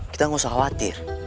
kita gak usah khawatir